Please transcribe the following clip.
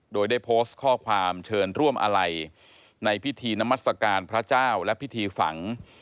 โดยได้โพสต์ข้อความเชิญร่วมอะไรในพิธีน้ำมัศกาลพระเจ้าและพิธีฝัง